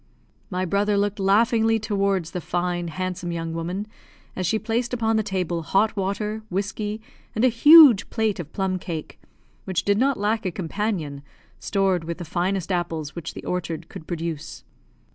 My brother looked laughingly towards the fine, handsome young woman, as she placed upon the table hot water, whiskey, and a huge plate of plum cake, which did not lack a companion, stored with the finest apples which the orchard could produce.